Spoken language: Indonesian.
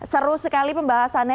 seru sekali pembahasannya